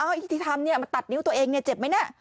อ้าวที่ที่ทำเนี้ยมาตัดนิ้วตัวเองเนี้ยเจ็บไหมนะ